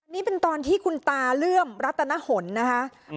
นี่เป็นตอนที่คุณตาเลื่อมรัตนหลนะคะ